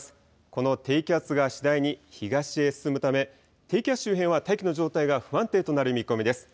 この低気圧が次第に東へ進むため、低気圧周辺は大気の状態が不安定となる見込みです。